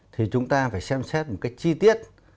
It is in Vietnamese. thì chúng ta phải xem xét một cái chi tiết